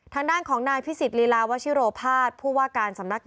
ทางด้านของนายภิสิทธิ์ลีลาวชิโรภาฯ